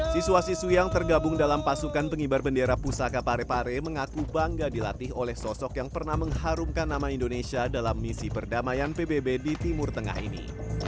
siswa siswi yang tergabung dalam pasukan pengibar bendera pusaka parepare mengaku bangga dilatih oleh sosok yang pernah mengharumkan nama indonesia dalam misi perdamaian pbb di timur tengah ini